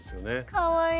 かわいい！